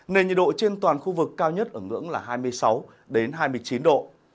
nền nhiệt độ trên toàn khu vực cao nhất ở ngưỡng là hai mươi sáu hai mươi chín độ